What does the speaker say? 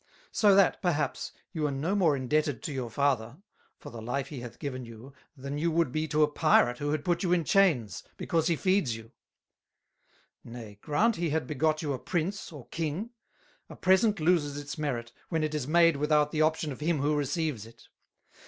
So that, perhaps, you are no more indebted to your Father for the life he hath given you, than you would be to a Pirate who had put you in Chains, because he feeds you: Nay, grant he had begot you a Prince, or King; a Present loses its merit, when it is made without the Option of him who receives it.